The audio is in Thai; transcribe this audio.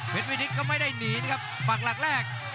เป็นวินิตก็ไม่ได้หนีนะครับปากหลักแรก